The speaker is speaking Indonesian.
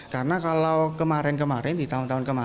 karena kalau kemarin kemarin di tahun tahun kemarin